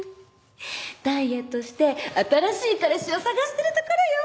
ダイエットして新しい彼氏を探してるところよ！